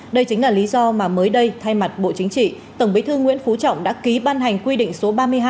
đây chính là lý do mà mới đây thay mặt bộ chính trị tổng bí thư nguyễn phú trọng đã ký ban hành quy định số ba mươi hai